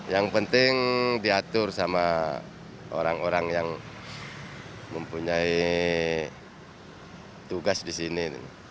yang penting diatur sama orang orang yang mempunyai tugas di sini